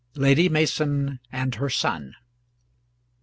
LADY MASON AND HER SON.